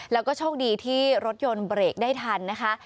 แล้วก็โชคดีที่รถยนต์เบรกได้ทันนะคะ